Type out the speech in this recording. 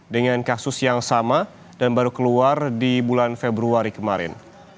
dengan kasus yang sama dan baru keluar di bulan februari kemarin